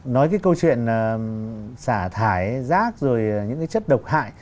nói cái câu chuyện xả thải rác rồi những cái chất độc hại